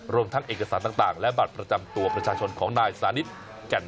รวมทั้งเอกสารต่างและบัตรประจำตัวประชาชนของนายสานิทแก่น